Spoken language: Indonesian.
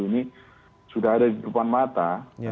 ini sudah ada di depan mata